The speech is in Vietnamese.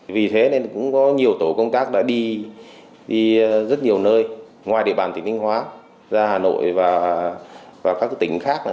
vì thế nên cũng có nhiều tổ công tác đã đi rất nhiều nơi ngoài địa bàn tỉnh thanh hóa ra hà nội và vào các tỉnh khác